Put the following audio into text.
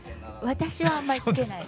私はあんまりつけない。